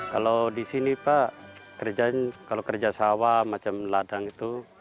kalau di sini pak kalau kerja sawah macam ladang itu